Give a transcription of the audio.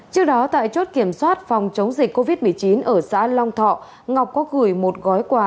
trước đó tại chốt kiểm soát phòng chống dịch covid một mươi chín ở xã long thọ ngọc có gửi một gói quà